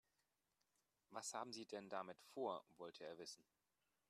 Was haben Sie denn damit vor?, wollte er wissen.